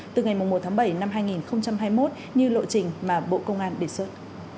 từ ngày một tháng bảy năm hai nghìn hai mươi một như lộ trình mà bộ công an đề xuất